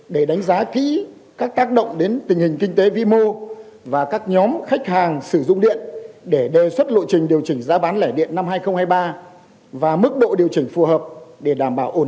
đây là các bộ đề xuất của evn